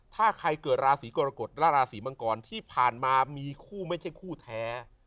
ถ้าใครเกิดราศีกรกฎและราศีมังกรที่ผ่านมามีคู่ไม่ใช่คู่แท้